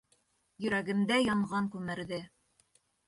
Йөрәгемдә янған күмерҙе.